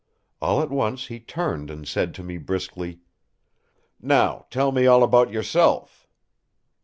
All at once he turned and said to me briskly: "Now tell me all about yourself!"